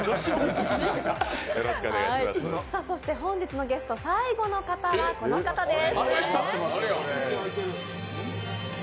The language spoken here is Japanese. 本日のゲスト、最後の方はこの方です。